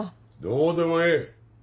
どうでもええ！